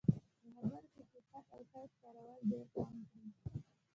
په خبرو کې صفت او قید کارول ډېرکم کړئ.